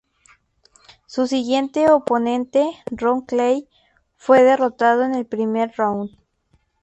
Su siguiente oponente, Ron Clay, fue derrotado en el primer round.